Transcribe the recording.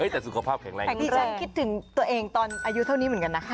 แต่สุขภาพแข็งแรงแต่ดิฉันคิดถึงตัวเองตอนอายุเท่านี้เหมือนกันนะคะ